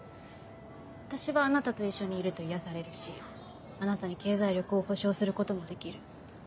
私はあなたと一緒にいると癒やされるしあなたに経済力を保証することもできる。